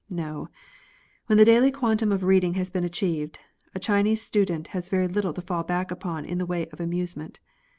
No, — when the daily quan tum of reading has been achieved, a Chinese student has very little to fall back upon in the way of amuse ment.